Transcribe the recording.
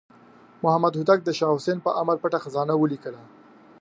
محمد هوتک د شاه حسین په امر پټه خزانه ولیکله.